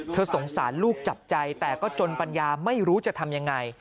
สงสารลูกจับใจแต่ก็จนปัญญาไม่รู้จะทำยังไง